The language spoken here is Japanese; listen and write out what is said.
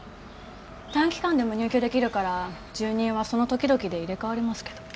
短期間でも入居できるから住人はその時々で入れ替わりますけど。